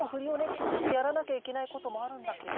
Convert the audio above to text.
きっちりやらなきゃいけないこともあるんだけど